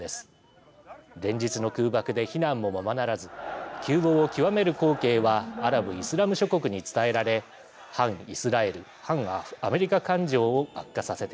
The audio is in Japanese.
連日の空爆で避難もままならず窮乏を窮める光景はアラブ・イスラム諸国に伝えられ反イスラエル反アメリカ感情を悪化させています。